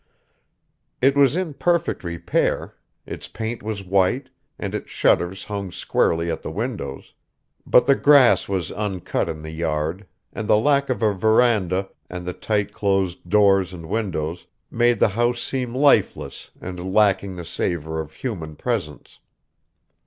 It was in perfect repair; its paint was white, and its shutters hung squarely at the windows. But the grass was uncut in the yard, and the lack of a veranda, and the tight closed doors and windows, made the house seem lifeless and lacking the savor of human presence.